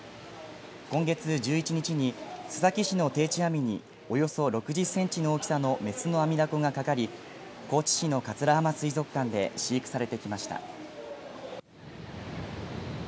今月１１日に須崎市の定置網におよそ６０センチの大きさのメスのアミダコがかかり高知市の桂浜水族館で飼育されてきました。